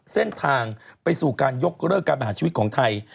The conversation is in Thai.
เส้นทางไปสู่การยกเลิกการประหารชีวิตของไทย